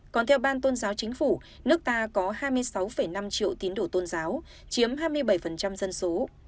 còn theo ban tôn giáo chính phủ nước ta có hai mươi sáu năm triệu tín đồ tôn giáo chiếm hai mươi bảy dân số